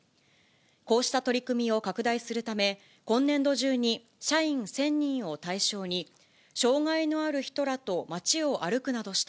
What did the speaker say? こうした取り組みを拡大するため、今年度中に社員１０００人を対象に、障がいのある人らと街を歩くなどして、